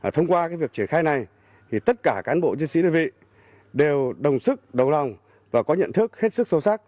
thông qua việc triển khai này tất cả cán bộ chiến sĩ đơn vị đều đồng sức đồng lòng và có nhận thức hết sức sâu sắc